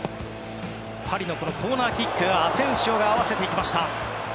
パリのコーナーキックアセンシオが合わせました。